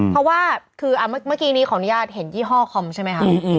เพราะว่าคือเมื่อกี้นี้ขออนุญาตเห็นยี่ห้อคอมใช่ไหมคะ